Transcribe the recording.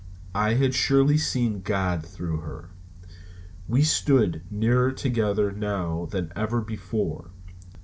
I had surely seen God through her. We stood nearer together now than ever before.